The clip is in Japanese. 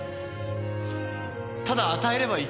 ただ与えればいいって。